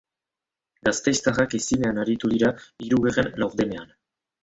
Gasteiztarrak ezinean aritu dira hirugarren laurdenean.